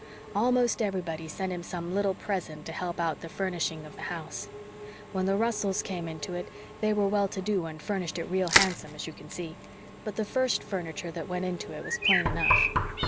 "Almost everybody sent him some little present to help out the furnishing of the house. When the Russells came into it they were well to do and furnished it real handsome, as you can see; but the first furniture that went into it was plain enough.